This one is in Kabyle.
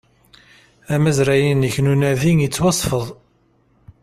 Amazray-inek n unadi yettwasfed